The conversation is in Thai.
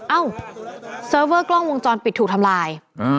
เอ้าเซิร์ฟเวอร์กล้องวงจรปิดถูกทำลาย